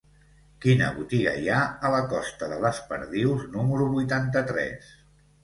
Quina botiga hi ha a la costa de les Perdius número vuitanta-tres?